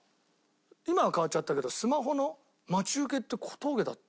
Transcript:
今は変わっちゃったけどスマホの待ち受けって小峠だった？